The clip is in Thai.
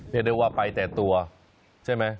เดี๋ยวว่าไปแต่ตัวใช่ไหม